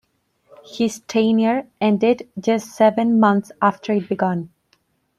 His tenure ended just seven months after it began.